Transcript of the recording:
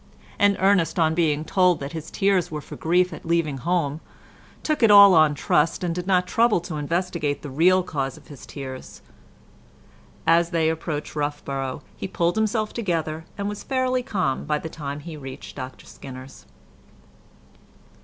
and Ernest, on being told that his tears were for grief at leaving home, took it all on trust, and did not trouble to investigate the real cause of his tears. As they approached Roughborough he pulled himself together, and was fairly calm by the time he reached Dr Skinner's.